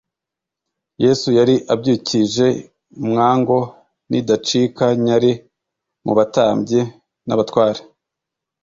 Yesu yari abyukije mwango nidacika nyari mu batambyi n'abatware,